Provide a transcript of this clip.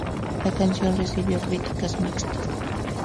La canción recibió críticas mixtas.